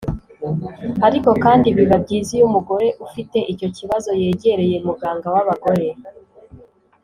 Ariko kandi biba byiza iyo umugore ufite icyo kibazo yegereye muganga w’abagore